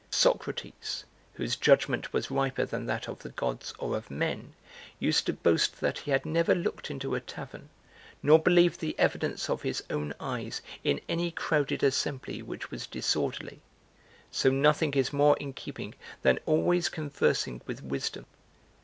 Socrates, {whose judgment was riper than that} of the gods or of men used to boast that he had never looked into a tavern nor believed the evidence of his own eyes in any crowded assembly which was disorderly: so nothing is more in keeping than always conversing with wisdom.